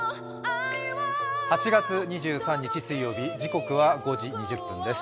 ８月２３日水曜日、時刻は５時２０分です。